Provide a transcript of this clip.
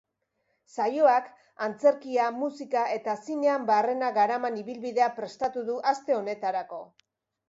Saioak antzerkia, musika eta zinean barrena garaman ibilbidea prestatu du aste honetarako.